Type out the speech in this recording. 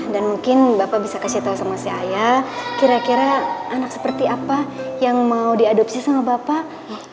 dan mungkin bapak bisa kasih tau sama si ayah kira kira anak seperti apa yang mau diadopsi sama bapak